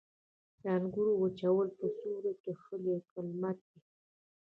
د انګورو وچول په سیوري کې ښه دي که لمر کې؟